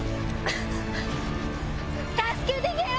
助けてけろ！